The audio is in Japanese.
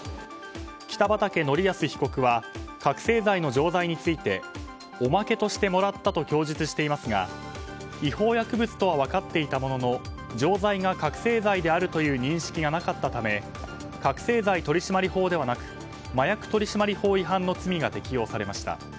北畠成文被告は覚醒剤の錠剤についておまけとしてもらったと供述していますが違法薬物とは分かっていたものの錠剤が覚醒剤であるという認識がなかったため覚醒剤取締法ではなく麻薬取締法違反の罪が適用されました。